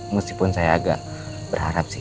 meskipun saya agak berharap sih